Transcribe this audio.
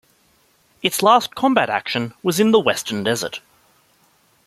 Its last combat action was in the Western Desert.